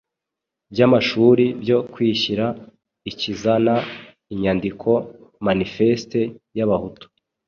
by'amashuri, byo kwishyira ukizana, inyandiko "Manifeste y'Abahutu"